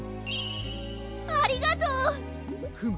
ありがとう。フム。